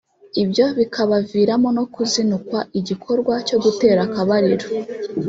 ibyo bikabaviramo no kuzinukwa igikorwa cyo gutera akabariro